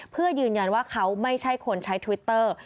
เพื่อยืนยันว่าเขาไม่ใช่คนใช้ทวิตเตอร์